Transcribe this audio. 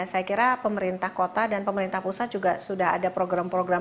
saya kira pemerintah kota dan pemerintah pusat juga sudah ada program program